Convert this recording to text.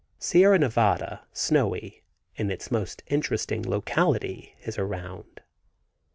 Sierra Nevada (snowy) in its most interesting locality is around.